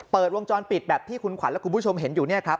วงจรปิดแบบที่คุณขวัญและคุณผู้ชมเห็นอยู่เนี่ยครับ